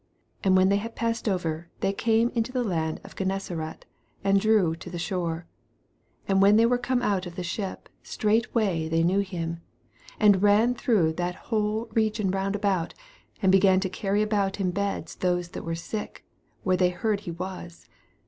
53 And when they had passed over, they came into the land of Gennesa ret, and drew to the shore. 54 And when they were corne out of the ship, straightway they knew him. 55 And ran through that whole re gion round about, and began to carry about in beds those that were sick, where they heard he was.